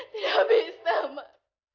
tidak bisa mak